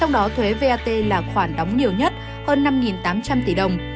trong đó thuế vat là khoản đóng nhiều nhất hơn năm tám trăm linh tỷ đồng